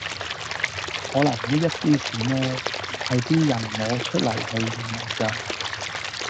可能呢一啲錢呢，係啲人攞出嚟去移民㗎